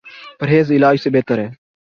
پرہیز علاج سے بہتر ہے۔